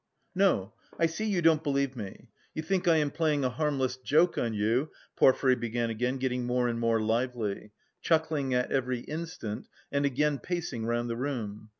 "No, I see you don't believe me, you think I am playing a harmless joke on you," Porfiry began again, getting more and more lively, chuckling at every instant and again pacing round the room.